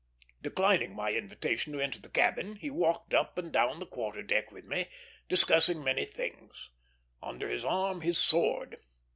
Declining my invitation to enter the cabin, he walked up and down the quarter deck with me, discussing many things; under his arm his sword.